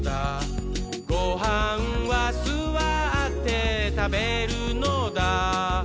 「ごはんはすわってたべるのだ」